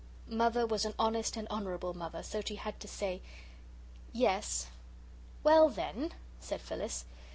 Mother was an honest and honourable Mother, so she had to say, "Yes." "Well, then," said Phyllis.